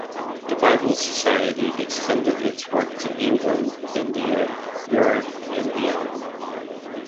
The Bible Society extended its work to England, India, Europe and beyond.